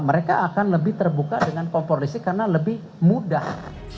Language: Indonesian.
mereka akan lebih terbuka dengan kompor listrik karena lebih mudah